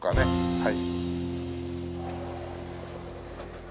はい。